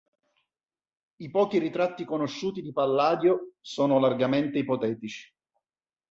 I pochi ritratti conosciuti di Palladio sono largamente ipotetici.